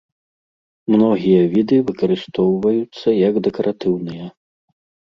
Многія віды выкарыстоўваюцца як дэкаратыўныя.